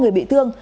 ba người bị thương